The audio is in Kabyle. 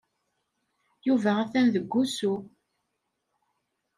Yuba atan deg wusu.